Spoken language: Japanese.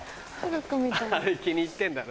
あれ気に入ってるんだな。